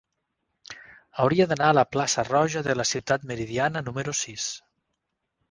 Hauria d'anar a la plaça Roja de la Ciutat Meridiana número sis.